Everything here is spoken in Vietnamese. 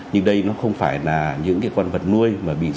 nhưng đây nó không phải là những con vật nuôi mà bị sử dụng